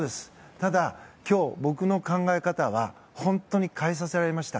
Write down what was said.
ただ、今日、僕の考え方は本当に変えさせられました。